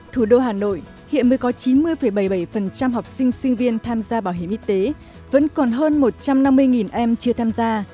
thủ đô hà nội hiện mới có chín mươi bảy mươi bảy học sinh sinh viên tham gia bảo hiểm y tế vẫn còn hơn một trăm năm mươi em chưa tham gia